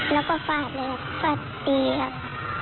แล้วก็ฟาดเลยครับฟาดตีครับ